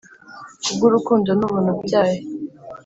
Ku bw'urukundo n'ubuntu byayo,